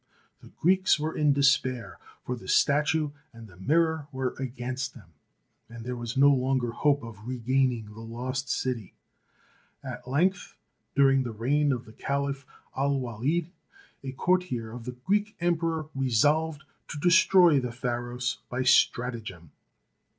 The Greeks were in despair, for the statue and the mirror were against them, 1 84 THE SEVEN WONDERS and there was no longer hope of regaining the lost city. At length, during the reign of the Caliph Al Walid, a courtier of the Greek Emperor re solved to destroy the Pharos by stratagem.